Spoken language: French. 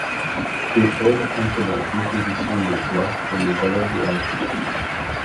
Les fèves entrent dans la composition des plats, comme les salades de haricots.